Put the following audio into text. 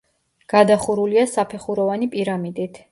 გადახურულია საფეხუროვანი პირამიდით.